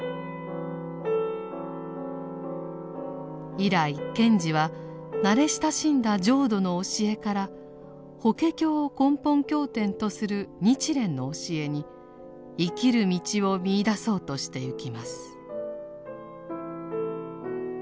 以来賢治は慣れ親しんだ浄土の教えから法華経を根本経典とする日蓮の教えに生きる道を見いだそうとしてゆきます。